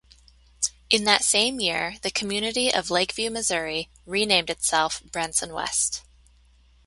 In that same year, the community of Lakeview, Missouri, renamed itself Branson West.